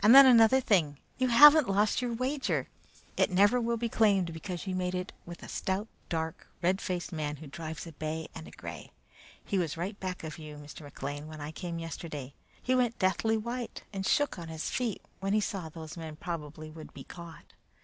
"And, then, another thing. You haven't lost your wager! It never will be claimed, because you made it with a stout, dark, red faced man who drives a bay and a gray. He was right back of you, Mr. McLean, when I came yesterday. He went deathly white and shook on his feet when he saw those men probably would be caught.